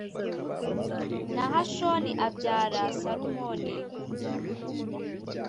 Nahashoni abyara Salumoni .